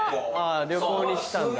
旅行に来たんだ。